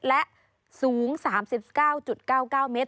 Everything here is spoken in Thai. และสูง๓๙๙๙เมตร